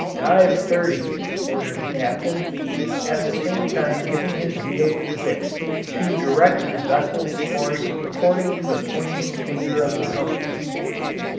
"Dive thirty," ordered the captain, at the same time giving his wheel a twist to direct the vessel's course according to the pointing finger of the compass.